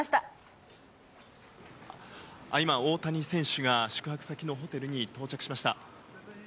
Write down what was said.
今、大谷選手が、宿泊先のホテルに到着しました。